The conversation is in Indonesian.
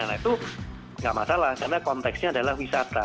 nah itu nggak masalah karena konteksnya adalah wisata